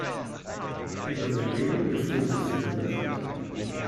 Über sein Leben ist nichts überliefert.